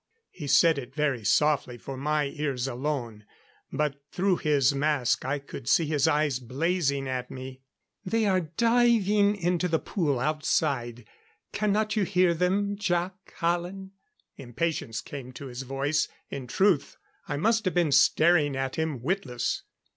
He said it very softly, for my ears alone; but through his mask I could see his eyes blazing at me. "They are diving into the pool outside cannot you hear them, Jac Hallen?" Impatience came to his voice; in truth, I must have been staring at him witless.